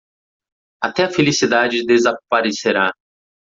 Até a felicidade desaparecerá